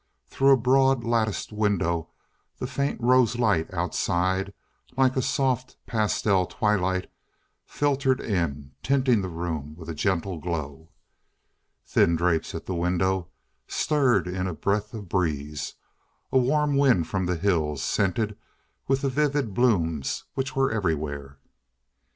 Through a broad latticed window the faint rose light outside like a soft pastel twilight filtered in, tinting the room with a gentle glow. Thin drapes at the window stirred in a breath of breeze a warm wind from the hills, scented with the vivid blooms which were everywhere.